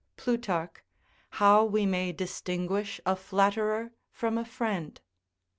[Plutarch, How we may distinguish a Flatterer from a Friend.